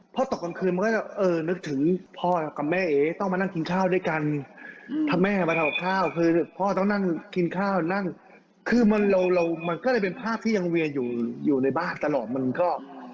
พอตกกลางคืนมันก็จะเออนึกถึงพ่อกับแม่เอ๊ต้องมานั่งกินข้าวด้วยกันถ้าแม่มาทำกับข้าวคือพ่อต้องนั่งกินข้าวนั่งคือมันเรามันก็เลยเป็นภาพที่ยังเวียนอยู่อยู่ในบ้านตลอดมันก็